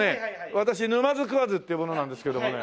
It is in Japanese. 私ぬまづ食わずっていう者なんですけどもね。